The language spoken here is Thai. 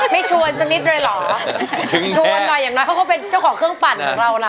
ไม่ชวนสักนิดเลยเหรอชวนหน่อยอย่างน้อยเขาก็เป็นเจ้าของเครื่องปั่นของเราล่ะ